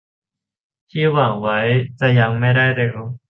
ที่หวังไว้จะยังไม่ได้เร็ว